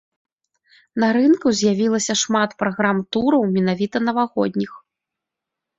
На рынку з'явілася шмат праграм-тураў менавіта навагодніх.